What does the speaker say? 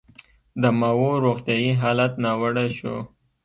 د ماوو روغتیايي حالت ناوړه شو.